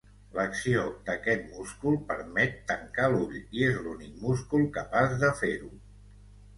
L'acció d'aquest múscul permet tancar l'ull i és l'únic múscul capaç de fer-ho.